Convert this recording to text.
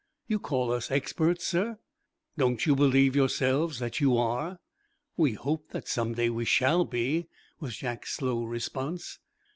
"You call us experts, sir?" "Don't you believe, yourselves, that you are?" "We hope that some day we shall be," was Jack's slow response.